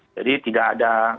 jadi tidak ada